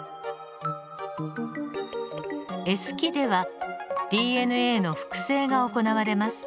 Ｓ期ではＤＮＡの複製が行われます。